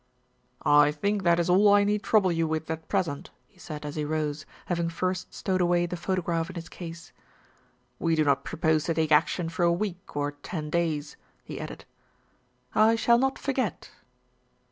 "I think that is all I need trouble you with at pres ent," he said as he rose, having first stowed away the photograph in his case. "We do not propose to take action for a week or ten days," he added. "I shall not forget."